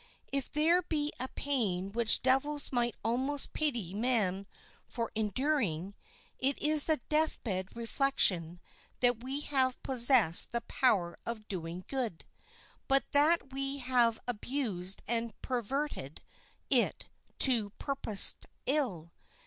If there be a pain which devils might almost pity man for enduring, it is the death bed reflection that we have possessed the power of doing good, but that we have abused and perverted it to purposed ill.